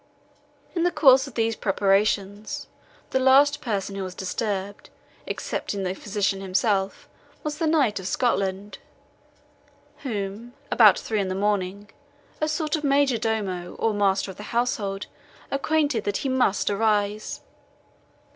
In the course of these preparations, the last person who was disturbed, excepting the physician himself, was the knight of Scotland, whom, about three in the morning, a sort of major domo, or master of the household, acquainted that he must arise.